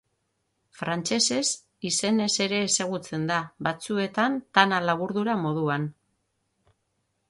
Frantsesez izenez ere ezagutzen da, batzuetan Tana laburdura moduan.